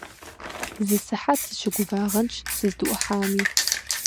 Зы сыхьэт сыщыгувагъэнщ сыздыӀухьами.